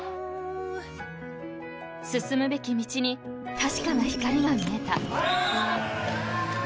［進むべき道に確かな光が見えた］